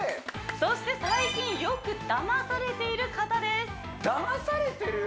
そして最近よくだまされている方ですだまされてる！？